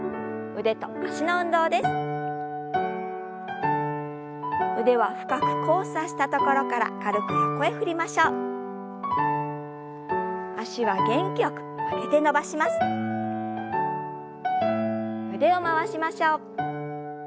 腕を回しましょう。